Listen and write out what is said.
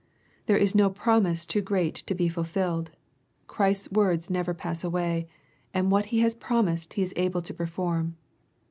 — There is no promise too great to be fulfilled. Christ's words never pass away, and what He has promised He is able to perform.